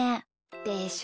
でしょ？